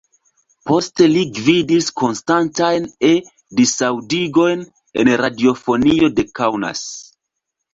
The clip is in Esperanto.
Poste li gvidis konstantajn E-disaŭdigojn en radiofonio de Kaunas.